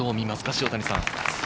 塩谷さん。